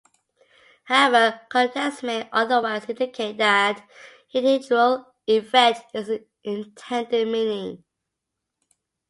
However, context may otherwise indicate that "dihedral "effect" is the intended meaning.